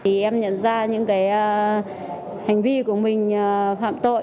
tôi cũng nhận ra những cái hành vi của mình phạm tội